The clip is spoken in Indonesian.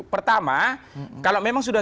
pertama kalau memang sudah